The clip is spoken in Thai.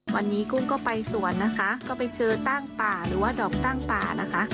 วันนี้กุ้งก็ไปสวนนะคะก็ไปเจอตั้งป่าหรือว่าดอกตั้งป่านะคะ